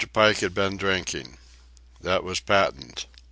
Pike had been drinking. That was patent.